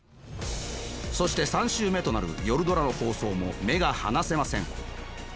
そして３週目となる「夜ドラ」の放送も目が離せません。